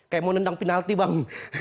kayak mau nendang penalti bang